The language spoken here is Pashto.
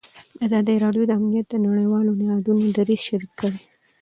ازادي راډیو د امنیت د نړیوالو نهادونو دریځ شریک کړی.